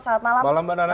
salam malam mbak nana